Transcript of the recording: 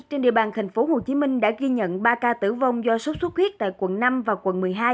trên địa bàn tp hcm đã ghi nhận ba ca tử vong do sốt xuất huyết tại quận năm và quận một mươi hai